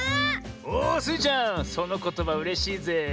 おスイちゃんそのことばうれしいぜえ。